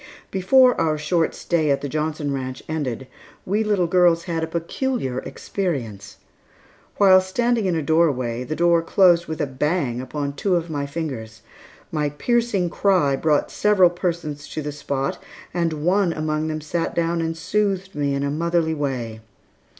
Before our short stay at the Johnson Ranch ended, we little girls had a peculiar experience. While standing in a doorway, the door closed with a bang upon two of my fingers. My piercing cry brought several persons to the spot, and one among them sat down and soothed me in a motherly way.